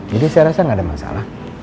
jadi saya rasa gak ada masalah